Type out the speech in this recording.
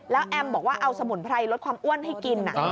แล้วแอมบอกว่าเอาสมุนไพรลดความอ้วนให้กิน